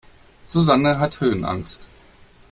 Susanne hat Höhenangst.